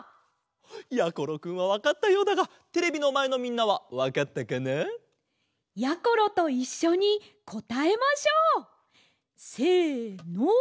やころくんはわかったようだがテレビのまえのみんなはわかったかな？やころといっしょにこたえましょう！せの。